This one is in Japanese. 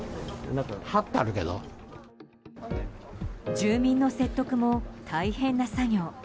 住民の説得も大変な作業。